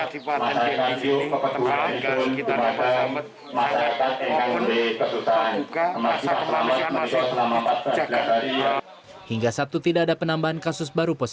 tetangga kita dapat selamat sangat maupun terbuka masa kematian masih berhubungan